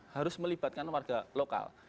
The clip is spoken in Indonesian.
harus melibatkan warga lokal